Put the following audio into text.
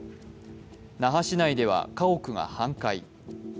那覇市内では家屋が半壊。